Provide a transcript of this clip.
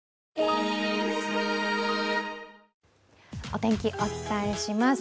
お天気、お伝えします。